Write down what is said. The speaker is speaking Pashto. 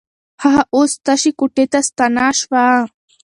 هغه اوس تشې کوټې ته ستنه شوه.